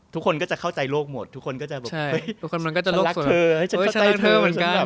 ทุกคนก็จะเข้าใจโลกหมดทุกคนก็จะแบบเฮ้ยฉันรักเธอฉันรักเธอเหมือนกัน